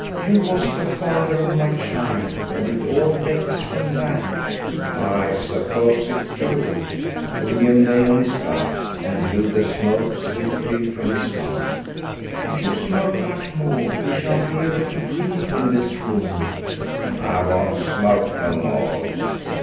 You was the father of my child, and it all dates from that." "I suppose it do." William lay on his back, and blew the smoke swiftly from his mouth. "If you smoke much more we shan't be able to breathe in this room." "I won't smoke no more.